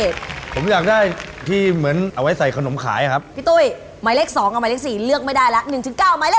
ฝรูถึงแล้วเจมส์รีบจากบ้านเลยฝรูดถึงแล้ว